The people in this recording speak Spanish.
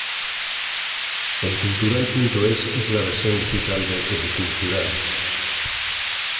ElCultural.es, es la versión digital de "El Cultural".